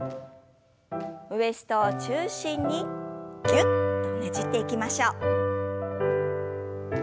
ウエストを中心にぎゅっとねじっていきましょう。